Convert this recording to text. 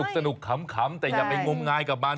สนุกขำแต่ยังไม่งมงายกับบ้าน